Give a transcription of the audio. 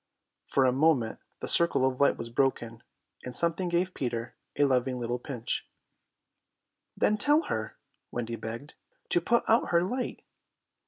For a moment the circle of light was broken, and something gave Peter a loving little pinch. "Then tell her," Wendy begged, "to put out her light."